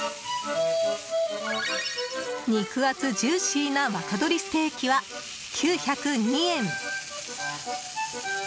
肉厚ジューシーな若鶏ステーキは９０２円。